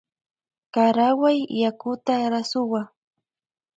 Karawuay yakuta rasuwa.